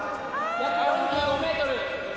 約４５ｍ！